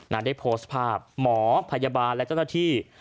ได้โพสต์ภาพหมอพยาบาลและเจ้าหน้าที่